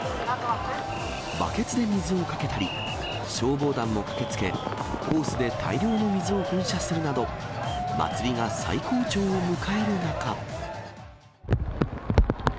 バケツで水をかけたり、消防団も駆けつけ、ホースで大量の水を噴射するなど、祭りが最高潮を迎える中。